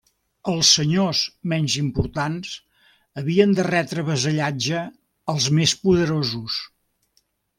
Els senyors menys importants havien de retre vassallatge als més poderosos.